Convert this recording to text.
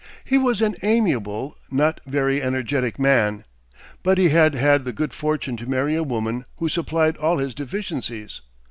He was an amiable, not very energetic man; but he had had the good fortune to marry a woman who supplied all his deficiencies.